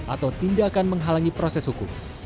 atau tindakan menghalangi proses hukum